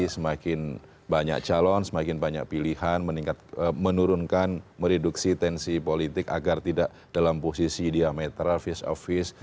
semakin banyak calon semakin banyak pilihan menurunkan mereduksi tensi politik agar tidak dalam posisi diametra vis of fish